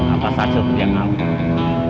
apa saja kejayaan kamu